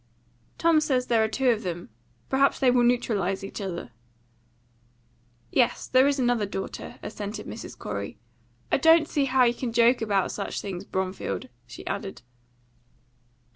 "Tom says there are two of them. Perhaps they will neutralise each other." "Yes, there is another daughter," assented Mrs. Corey. "I don't see how you can joke about such things, Bromfield," she added.